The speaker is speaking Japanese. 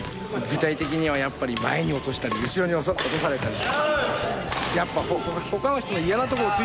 具体的にはやっぱり前に落としたり後ろに落とされたり。